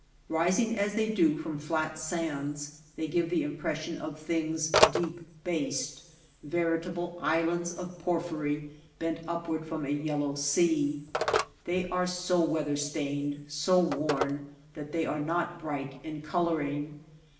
Rising as they do from flat sands they give the impression of things deep based — veritable isl ands of porphyry bent upward from a yellow sea. They are so weather stained, so worn, that they are not bright in coloring.